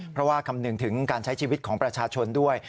เพราะว่าคำนึงถึงการใช้ชีวิตของประชาชนด้วย